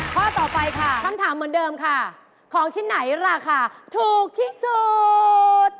ข้อต่อไปค่ะคำถามเหมือนเดิมค่ะของชิ้นไหนราคาถูกที่สุด